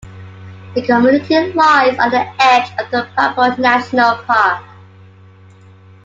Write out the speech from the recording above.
The community lies on the edge of the Paparoa National Park.